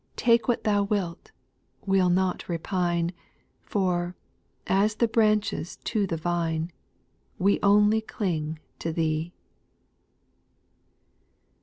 Take what Thou wilt, we'll not repine : For, as the branches to the vine. We only cling to Thee